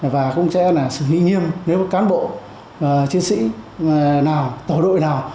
và cũng sẽ là xử lý nghiêm nếu cán bộ chiến sĩ nào tổ đội nào